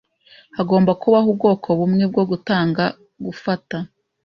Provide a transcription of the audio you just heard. Hagomba kubaho ubwoko bumwe bwo gutanga-gufata.